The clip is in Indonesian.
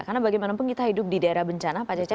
karena bagaimanapun kita hidup di daerah bencana pak cecep